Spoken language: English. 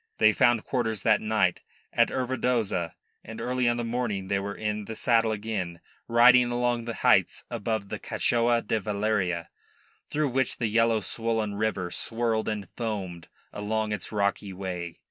They found quarters that night at Ervedoza, and early on the morrow they were in the saddle again, riding along the heights above the Cachao da Valleria, through which the yellow, swollen river swirled and foamed along its rocky way.